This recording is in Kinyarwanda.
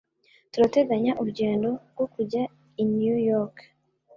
Turateganya urugendo rwo kujya i New York.